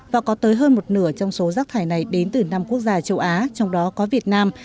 và có tới hơn một nửa trong số rác thải này đến từ năm quốc gia châu á trong đó có việt nam